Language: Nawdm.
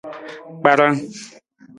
Kparan.